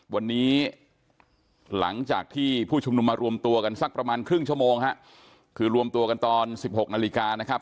วันนี้หลังจากที่ผู้ชุมนุมมารวมตัวกันสักประมาณครึ่งชั่วโมงฮะคือรวมตัวกันตอน๑๖นาฬิกานะครับ